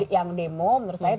yang demo menurut saya